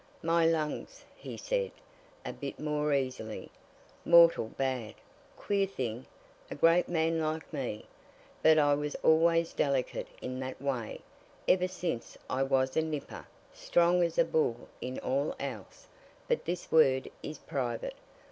"My lungs!" he said, a bit more easily. "Mortal bad! Queer thing, a great man like me, but I was always delicate in that way, ever since I was a nipper strong as a bull in all else. But this word is private.